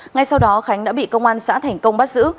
ngay sau đó khánh đã bị công an xã thành công bắt giữ